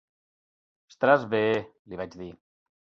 "Estaràs bé", li vaig dir.